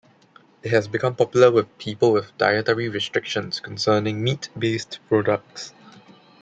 It has become popular with people with dietary restrictions concerning meat-based products.